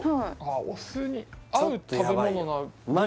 お酢に合う食べ物